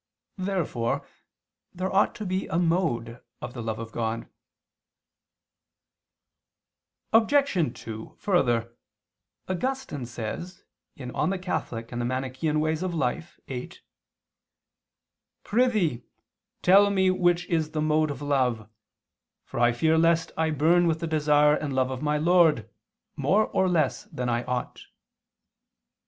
Therefore there ought to be a mode of the love of God. Obj. 2: Further, Augustine says (De Morib. Eccl. viii): "Prithee, tell me which is the mode of love. For I fear lest I burn with the desire and love of my Lord, more or less than I ought."